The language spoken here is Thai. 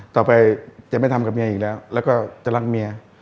ต่อไปจะไม่ทำกับเมียอีกแล้วแล้วก็จะรักเมีย